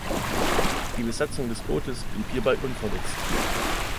Die Besatzung des Bootes blieb hierbei unverletzt.